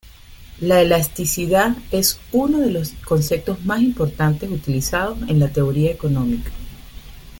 La elasticidad es uno de los conceptos más importantes utilizados en la teoría económica.